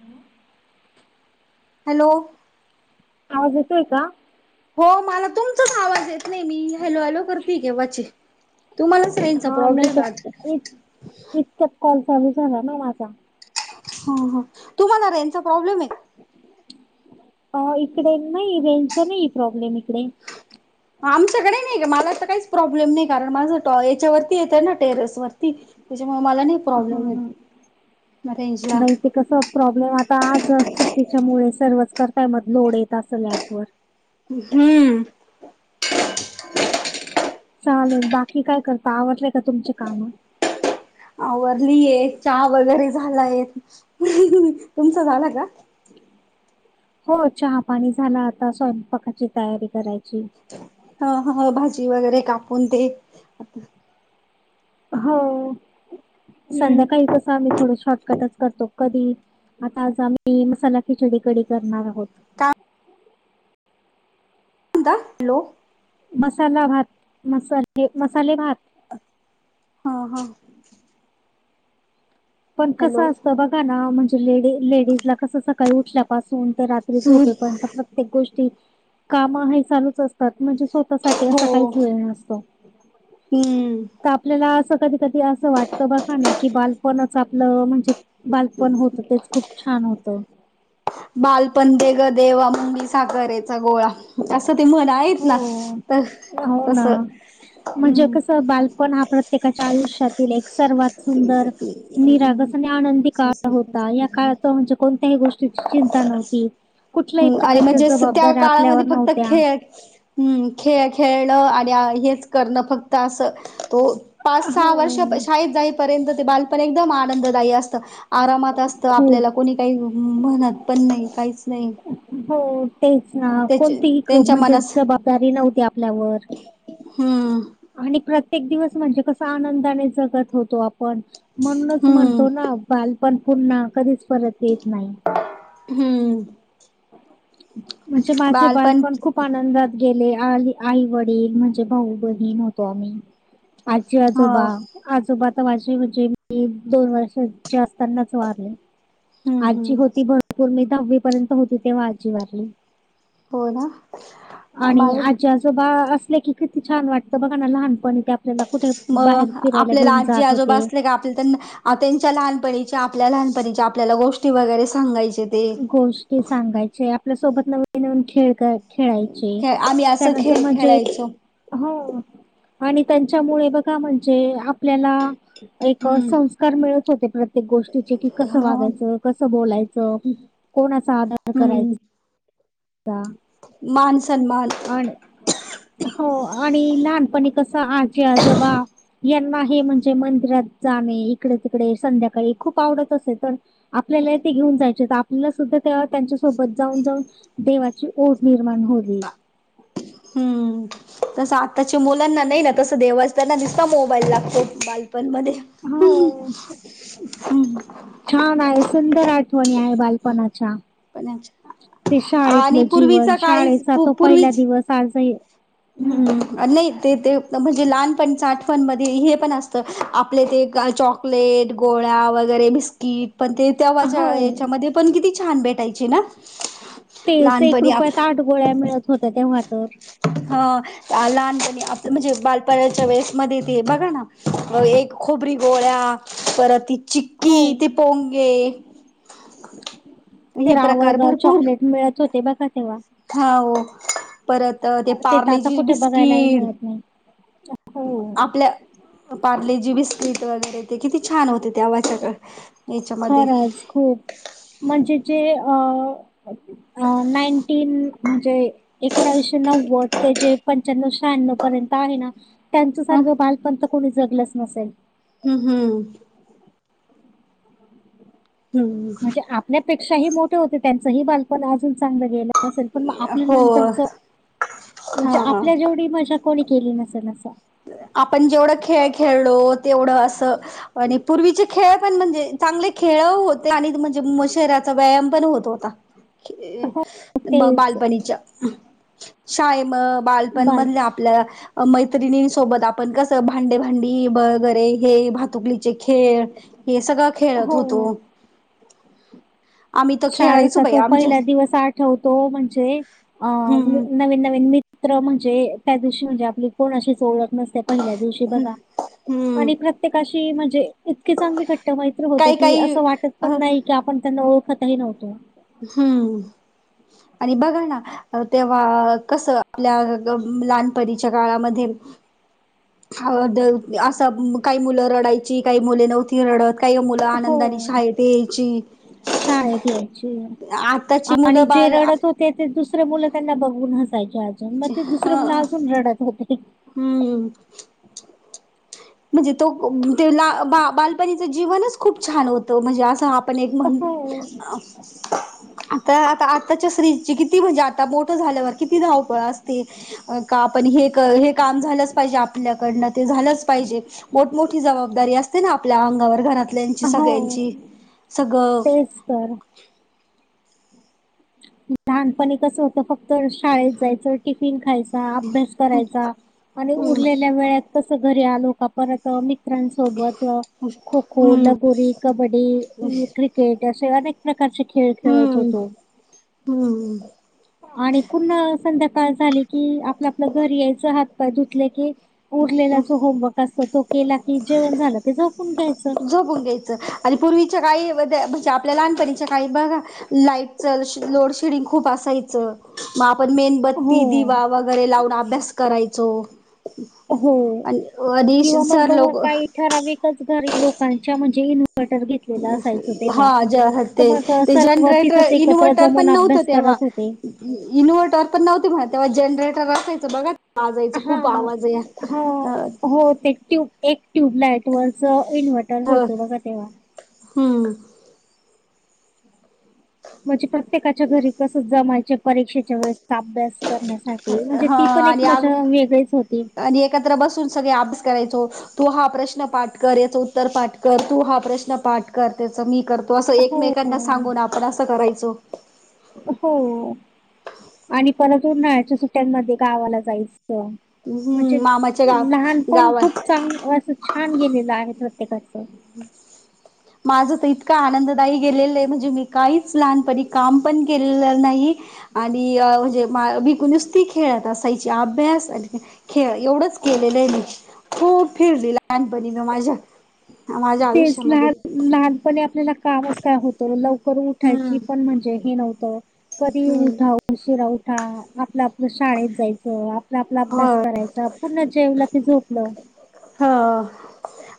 ह हॅलो! आवाज येतोय का? हो, मला तुमचाच आवाज येत नाही, मी हॅलो हॅलो! करती केेव्हाची. तुम्हालाच रेंजचा हा नाही प्रॉब्लेम आहे तर इ वाटतं. इतक्यात कॉल चालू झाला ना, माझा. ह ह, तुम्हाला रेंजचा प्रॉब्लेम आहे का? अ इकडे नाही, रेंजचा नाही प्रॉब्लेम इकडे. अ आमच्या कडे नाही का मला तर काहीच प्रॉब्लेम नाही कारण, माझं ट याच्यावरती येत आहे ना टेरेस वरती. त्याच्यामुळे मला नाही हा प्रॉब्लेम हा, येत रेंजला नाही ते कसं प्रॉब्लेम आता आज सुट्टीच्या मुळे सर्वच करताय, म लोड येत असेल अँप वर. हम्म, चालेल बाकी, काय करता आवरलंय का तुमच काम? आवरलिये चहा वगैरे झालाय, तुमचा झाला का? हो, चहा पाणी झाला आता स्वयंपाकाची तयारी करायची. ह ह, भाजी वगैरे कापून ते हो, हम्म संध्याकाळी कसं आम्ही थोड शॉर्टकटच करतो, कधी आता आज आम्ही मसाला खिचडी कढी करणार आहोत. काय दा हॅलो! मसाला भात मसाले मसाले भात. हा हा. पण कसं हॅलो असतं बघा ना, म्हणे लेडी-लेडीज ला कसं सकाळी उठल्या पासून ते रात्री झोपे पर्यंत प्रत्येक गोष्टी काम हे चालूचं असत तात म्हणजे स्वतःसाठी असं काहीच हो वेळ नसतो. हम्म, तर आपल्याला असं कधी कधी असं वाटतं बघा ना, की बालपणच आपलं म्हणजे बालपण होतं तेच खूप छान होतं. बालपण दे गं देवा मुंगी साखेचा गोळा. असं ते म्हण आहेत हो, ना, तर हो ना, तस म्हणजे हम्म कसं बालपण हा प्रत्येकाच्या आयुष्यातील एक सर्वात सुंदर निरागस आणि आनंदी काळ होता, या काळात म्हणजे कोणत्याही गोष्टी चिंता नव्हती, कुठल्याही हम्म आणि प्रकारच्या जबाबदऱ्या आपल्यावर नव्हत्या. [unintelligible] हम, खेळ -खेळणं आणि हेच करणं फक्त असं तो पाच सहा वर्ष हो शाळेत जाईपर्यंत ते बालपण एकदम आनंददायी असतं. आरामात असतं खूप आपल्याला कोणी काही म्हणत पण नाही काहीच नाही. हो. तेच ना, त्याच्या कोणतीही त्यांच्या म्हणजे मनास जबाबदारी नव्हती आपल्यावर हम्म आणि प्रत्येक दिवस म्हणजे कसं आनंदाने जगत होतो, आपण म्हणूनच हम्म म्हणतो ना बालपण पुन्हा कधीच परत येत नाही. हम्म, म्हणजे माझे बालपण खूप आनंदात गेले, आणि आई वडील म्हणजे भाऊ बहीण होतो आम्ही. आजी, हो आजोबा. आजोबा तर माझे म्हणजे मी दोन वर्षाचे असतानाचं वारले. हम्म आजी हम्म होती, भरपूर मी दहावी पर्यंत होती तेव्हा आजी वारली. हो ना. आणि माझ आजी, आजोबा असले की, किती छान वाटतं बघाना लहानपणी त्या म आपल्याला आजी आजोबा होते. असले का, आपल्या त्यांना त्यांच्या लहानपणीच्या आपल्या लहानपणीच्या आपल्याला गोष्टी वगैरे सांगायचे ते. गोष्टी सांगायचे आपल्यासोबत नवीन नवीन खेळ काय खेळायचे खेळ आम्ही असं खेळ त्यानंतर म्हणजे खेळायचो हो आणि त्यांच्यामुळे बघा म्हणजे आपल्याला एक हम्म संस् कार मिळत होते प्रत्येक गोष्टीचे की कसं ह वागायचं कसं बोलायचं कोणाचा आधार हम्म करायचा मान सन्मान आणि हो आणि लहानपणी कस आजी आजोबा यांना हे म्हणजे मंदिरात जाणे इकडे तिकडे संध्याकाळी खूप आवडत असे पण आपल्याला ते घेऊन जायचे सुद्धा ते्हा त्यांच्यासोबत जाऊन जाऊन देवाची ओढ निर्माण होली हम्म तसं आताच्या मुलांना नाही ना तसं देवाच त्यांना दिसता मोबाईल लागतो बालपणमध्येध्ये होा छान आहे सुंदर आठवणी आहे बालपणाच्या पण ते आणि शाळेतलं जीवन पूर्वीचा काळी शाळेचा तो पहिला पूर्वीच दिवस आजही हम्म नाही ते ते म्हणजे लहानपण आठवण मध्ये हे पण असतं आपले ते चॉक प्लेट गोळ्या वगैरे बिस्किट पण ते हो तेव्हाच्या याच्यामध्ये पण किती छान भेटायचे ना तेच एक लहानपणी आप रुपयात आठ गोळ्या मिळत होत्या तेव्हा तर. हो. लहानपणी अस म्हणजे बालपणाच्या वेळेसमध्ये ते बघा ना एक खोबरी गोळ्या परत ती हो चिक्की ते पोंगे. ते हे प्रकार रावळगाव भरपूर चॉकलेट मिळत होते बघा तेव्हा. हा ओ परत ते तर पार्ले आता जी कुठे बघायलाही बिस्किट. [unintelligible] आपल्या पारले जी बिस्कीट वगैरे ते किती छान होते तेव्हा सगळं. खरंच खूप म्हणजे जे अ अ नाईन्टीन म्हणजे एकोणावीसशे नव्वद ते जे पंच्याण्व शहाण्णव पर्यंत आहे ना त्यांच्या ह सारखं बालपण तर कोणी जगलंच नसेल. हम् हम्म. हम्म म्हणजे आपल्यापेक्षाही मोठे होते त्यांचंही बालपण अजून चांगलं गेलं. असेल पण मग आपल्या हो नंतरच. म्हणजे हा आपल्या जेवढी मजा कोणी केली नसेल अस. आपण जेवढं खेळ खेळलो तेवढं असं. आणि पूर्वीचे खेळ पण म्हणजे चांगले खेळं होते आणि त म्हणजे शहरात त व्यायाम पण होत होता. ए हो तेच बालपणीच्या शायम बालपण बाल मधल्या आप प्ल अहो मैत मैत्रिणींसोबत सोबत आपण कसं भांडे भांडी वगैरे हे भातुकलीचे खेळ हे सगळं खेळत होतो. हो आम्ही तर खेळायचो शाळेचा बाई तो आमच्या पहिला दिवस आठवतो. म्हणजे अ हम्म नवीन नवीन मी म्र म्हणजे त्या दिवशी म्हणजे आपली कोणाशीच ओळख नसेल पहिल्या दिवशी बघा हम्म आणि प्रत्येकाशी म्हणजे. इतकी चांगली घट्ट मैत्री होते काही की काही असं वाटत अ पण नाही की आपण त्यांना ओळखतही नव्हतो. हम्म आणि बघा ना तेव्हा कसं आपल्या- लहानपरीच्या काळामध्ये. ह द असं काही मुलं रडायची काही मुले नव्हती. ती रडत काही मुलं हो आनंदानी शाळेतही यायची. शाळेत यायची आताची मुलं बाळ आ ते ते दुसरं मुलं त्यांना बघून हसायचे अजून मग ते दुसरे मुलं अजून रडत होते. हम्म. म्हणजे तो ते बा बा बालपणीचं जीवनच खूप छान होतं म्हणजे आस हाप पण एक म्हण हो आह्. [inaudible] आता आता आताच्या स्त्रीची किती म्हणजे आता मोठ झाल्यावर किती धावपळ असते. का आपण हे हे काम झालंच पाहिजे आपल्याकडनं ते झालंच पाहिजे मोठ-मोठी जबाबदारी असते ना आपल्या अंगावर घरात. ल्यांची सगळ्यांची सगळं सॉरी. लहानपणी कसं हो तर फक्त शाळेत जायचं, टिफिन खायचा, अभ्यास करायचा आणि हम्म उरलेल्या वेळात तस घरी आलो का परत अ मित्रांसोबत अ खो खो हम्म लगोरी कबड्डी उम्म क्रिक ेट असे अनेक प्रकारचे खेळ खेळत हम्म होतो हम्म आणि पूर्ण संध्याकाळ झाली कि आपलं आपलं घर यायचं हात पाय धुतले की उरलेला जो होमवर्क असत तो केला की जेवण झालं ते झपून घ्यायचं झोपून घ्यायचं आणि पूर्वीच्या काही म्हणजे आपल्या लहानपणीच्या काही बघा लाईट च लोडशेडिंग खूप असायचं मग आपण हो, मेनबत्ती दिवा व अ क हो. किंवा मग बघ काही ठराविकच घरी लोकांच्या म्हणजे इन्व्हर्टर घेत हा ज ते अ, ते सर्व जनरेटर तिथंच एकत्र इन्व्हर्टर पण जमून नव्हतं अभ्यास तेव्हा करत होते. इनवर्टर पण नव्हती म्हणा तेव्हा जनरेटर असायचं बघा वाजायचं हा खूप आवाज या हो अ हो ते ट्यूब एक ट्यूबलाईट वरच इन्व्हर्टर ह होतो बघ तेव्हा हम्म म्हणजे प्रत्येकाच्या घरी कस जमायचे परीक्षेच्या वेळेसचा अभ्यास. प्रज्ञासाठी म्हणजे हा ती पण एक आणि आग मजा वेगळीच होती. आणि एकत्र बसून सगळे अभ्यास करायचो. तू हा प्रश्न पाठ कर याच उत्तर पाठ कर तू हा प्रश्न पाठ कर त्याच मी कर तो असं हो, एकमेकांना सांगून आपण असं करायचो हो आणि परत उन्हाळ्याच्या सुट्ट्यांमध्ये गावाला जायचं हम्म म्हणजे मामाच्या गाव लहानपण खूप गावात चांग असं छान गेलेलं आहे प्रत्येकाच हम् माझं तर इतकं आनंददायी गेलेलं आहे म्हणजे मी काहीच लहानपणी काम पण केलेलं नाही आणि म्हणजे मा भिक नुसती खेळत असायची अभ्यास खेळ एवढंच केलेलं आहे मी खूप फिरली लहानपणी म माझ्या माझ्या तेच आयुष्यामध्ये लहान लहानपणी आपल्याला काम असत काय होत लवकर हम्म उठायची पण म्हणजे हे नव्हतं कधी हम्म उठा उशिरा उठा आपला शाळेत जायचं आपला आपला अभ्यास होय. करायचा पूर्ण जेवलं ते झोपलं हा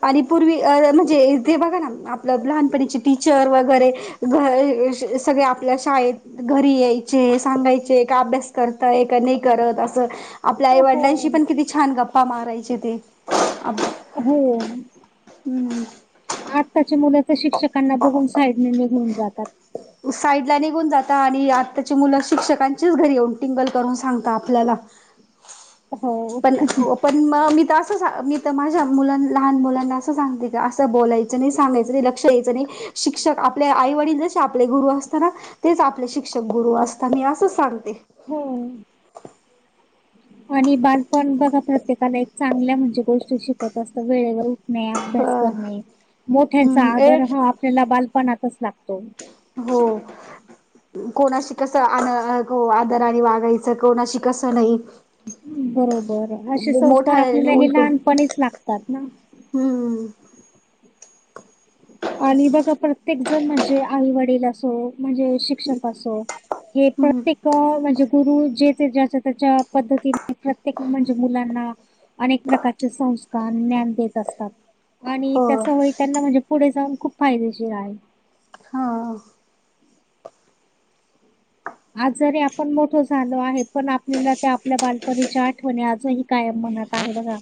आणि पूर्वी म्हणजेथे बघा ना आपलं लहानपणीचे टीचर वगैरे घ सगळे आपल्या शाळेत घरी यायचे सांगायचे का अभ्यास करतय नाही करत असं आपल्या अ, आईवडिलांशी हो. पण किती छान गप्पा मारायचे ते हो हम्म आत्ताच्या मुलाच्या शिक्षकांना बघून साईडने निघून जातात साईडला निघून जाता, आणि आत्ताची मुलं शिक्षकांचीच घरी येऊन टिंगल करून सांगता आपल्याला. हो, पण पण मग मी तर असं सांगणार, मी तर माझ्या मुलांना लहान मुलांना असं सांगते की असं बोलायचं. सांगायच नाही, लक्ष द्यायचं नाही शिक्षक आपल्या आई वडील जसे आपले गुरु असता ना तेच आपले शिक्षक गुरु असता, मी असंच सांगते. हो. आणि बालपण बघा, प्रत्येकाला एक चांगल्या म्हणजे गोष्टी शिकवत असतात वेळेवर उठणे, अ अभ्यास करणे, मोठ्यांचा ए आदर हा आपल्याला बालपणातच लागतो. हो. कोणाशी कसं आद- आदराने वागायचं कोणाशी कसं नाही. बरोबर असे संस्कार मोठा आपल्याला हे उलटून लहानपणीच लागतात ना. हम्म, आणि बघा, प्रत्येक जण म्हणजे आई वडील असो म्हणजे शिक्षक असो, हे हम्म प्रत्येक अ म्हणजे गुरु जे ते त्याच्या पद्धती प्रत्येक म्हणजे मुलांना अनेक प्रकारचे संस्कार, ज्ञान देत असतात. आणि हो तसं होई, त्यांना म्हणजे पुढे जाऊन खूप फायदेशीर आहे. हा आजारी आपण मोठं झालो आहे, पण आपल्याला त्या आपल्या बालपणीच्या आठवणी आजही कायम मनात आहे बघा.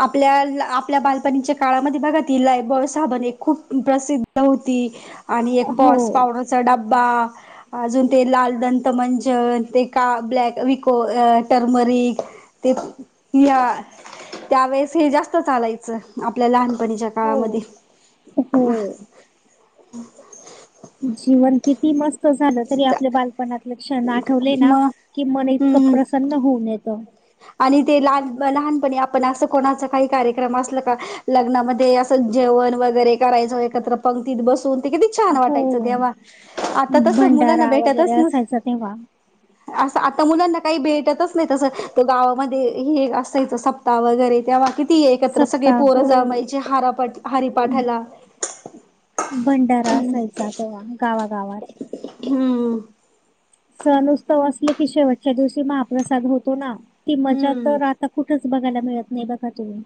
आपल्या आपल्या बालपणीच्या काळामध्ये बघा, ती लायबॉय साबण एक खूप प्रसिद्ध होती, आणि एक हो. पॉन्ड्स पावडरचा डब्बा. अजून ते लाल दंत मंजन ते का, ब्लॅक विको टर्मरिक. ते या त्यावेेळेस हे जास्त चालायचं, आपल्या लहानपणीच्या काळा हो. मध्ये. हो. जीवन किती मस्त झालं तरी, आपल्या बालपणातले क्षण आठवले ना मग की, मन इतकं हम्म प्रसन्न होऊन येतं. आणि ते लहान लहानपणी आपण असं, कोणाचा काही कार्यक्रम असल का? लग्नामध्ये असं जेवण वगैरे करायचं, एकत्र पंक्तीत बसून. किती छान! हो वाटायचं तेव्हा आता तस मुलांना भंडारा वगैरे भेटतच न असायचा तेव्हा असं आता मुलांना काही, भेटतच नाही तसं. तो गावामध्ये हे असायचा सप्ताह वगैरे तेव्हा किती एकत्र सगळे सप्ताह पोर हो जमायचे, हारा पाठ- हारीपाठाला. भंडारा असायचा, तेव्हा गावागावात. हम्म, सण उत्सव असले की, शेवटच्या दिवशी महाप्रसाद होतो ना ती मजा हम्म तर आता कुठेच बघायला मिळत नाही, बघा तुम्ही?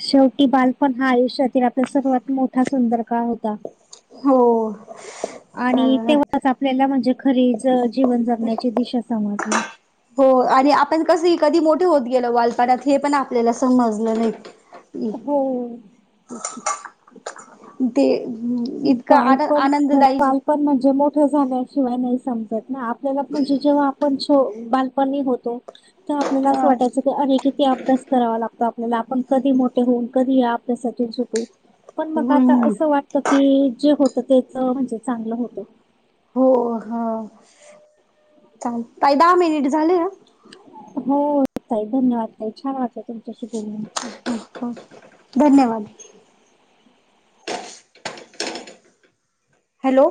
शेवटी बालपण हा आयुष्यातील आपला सर्वात मोठा सुंदर काळ होता. हो आणि चालेल तेव्हाच आपण आपल्याला म्हणजे खरीच जीवन जगण्याची दिशा समजली. हो, आणि आपण कस कधी मोठे होत गेलो, बालपणात हे पण आपल्याला समजलं नाही. हो. ते इतकां आन- आनंददायी आपण म्हणजे मोठ झाल्या शिवाय नाही समजत ना, आपल्याला म्हणजे जेव्हा आपण बालपणी होतो. तर आपल्याला असं अ वाटायचं की, अरे किती अभ्यास करावा लागतो, आपल्याला आपण कधी मोठे होऊन कधी आप त्यासाठीच होतो. पण मग, आता हम्म असं वाटत की जे होतं तेच म्हणजे चांगलं होतं. हो, हा चाल ताई दहा मिनिटं झाले ना? हो, ताई धन्यवाद! ताई छान वाटल तुमच्याशी बोलून. [unintelligible] धन्यवाद! हॅलो